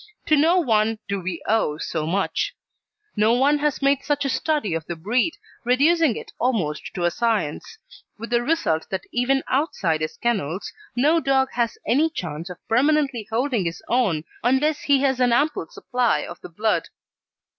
To no one do we owe so much; no one has made such a study of the breed, reducing it almost to a science, with the result that even outside his kennels no dog has any chance of permanently holding his own unless he has an ample supply of the blood.